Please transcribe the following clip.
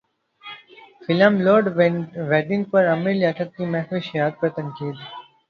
film load wedding پر عامر لیاقت کی مہوش حیات پر تنقید